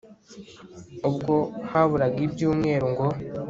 Ubwo haburaga ibyumweru ngo